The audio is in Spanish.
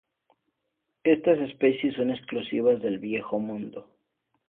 Estas especies son exclusivas del Viejo Mundo.